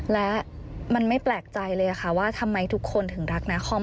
และมันไม่แปลกใจเลยค่ะว่าทำไมทุกคนถึงรักนาคอม